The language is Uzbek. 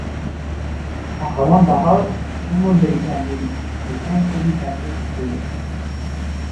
Pahlavon Daho kim bo‘ldi ekan deyman, bilsam, siz ekansiz, — dedi.